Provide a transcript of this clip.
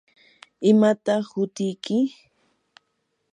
¿imataq hutiyki?